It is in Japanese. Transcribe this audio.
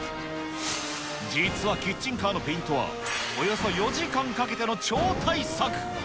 実はキッチンカーのペイントは、およそ４時間かけての超大作。